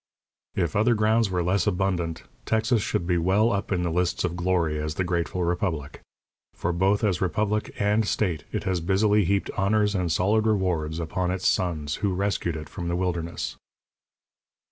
If other grounds were less abundant, Texas should be well up in the lists of glory as the grateful republic. For both as republic and state, it has busily heaped honours and solid rewards upon its sons who rescued it from the wilderness.